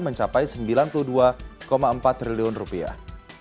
mencapai sembilan puluh dua empat triliun rupiah